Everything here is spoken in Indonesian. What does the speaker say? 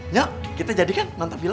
nyo kita jadikan mantap film